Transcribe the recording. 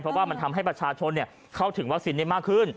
เพราะว่ามันทำให้ประชาชนเข้าถึงวัคซีนได้มากขึ้น